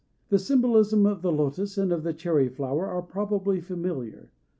The symbolism of the lotos and of the cherryflower are probably familiar.